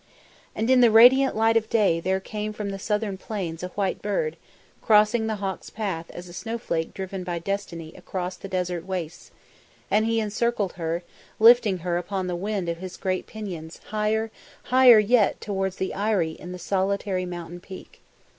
"And in the radiant light of day there came from the southern plains a white bird, crossing the hawk's path as a snowflake driven by Destiny across the desert wastes; and he encircled her, lifting her upon the wind of his great pinions higher, higher yet towards the eyrie in the solitary mountain peak.